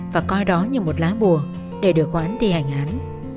và coi đó như một lá bùa để được hoãn thi hành án